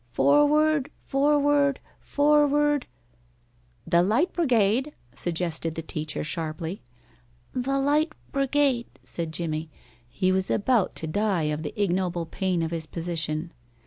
Forward forward forward " "The Light Brigade," suggested the teacher, sharply. "The Light Brigade," said Jimmie. He was about to die of the ignoble pain of his position.